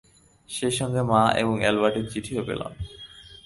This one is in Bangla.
সেই সঙ্গে মা এবং এলবার্টার চিঠিও পেলাম।